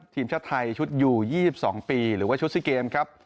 ทีมชาติไทยชุดอยู่๒๒ปีหรือว่าชุดซีเกมครับ